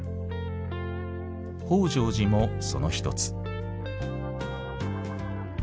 北條寺もその一つ。